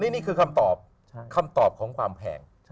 นี่คือคำตอบคำตอบของความแพง